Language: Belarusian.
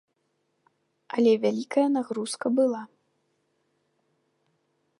Але вялікая нагрузка была.